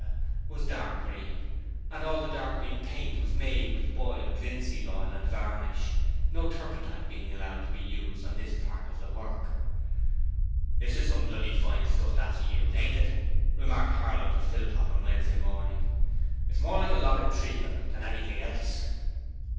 was dark green; and all the dark green paint was made with boiled linseed oil and varnish; no turpentine being allowed to be used on this part of the work. 'This is some bloody fine stuff to 'ave to use, ain't it?' remarked Harlow to Philpot on Wednesday morning. 'It's more like a lot of treacle than anything else.'